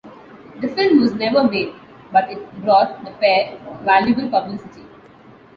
The film was never made but it brought the pair valuable publicity.